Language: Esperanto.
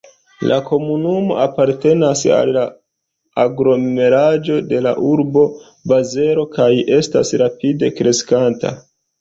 La komunumo apartenas al la aglomeraĵo de la urbo Bazelo kaj estas rapide kreskanta.